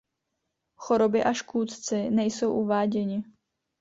Choroby a škůdci nejsou uváděni.